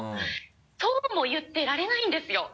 そうも言ってられないんですよ。